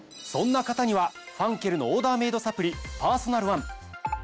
そんな方にはファンケルのオーダーメイドサプリパーソナルワン。